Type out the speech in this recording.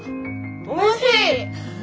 おいしい！